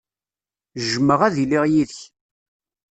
Jjmeɣ ad iliɣ yid-k.